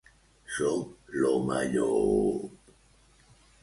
Soc l'home llop.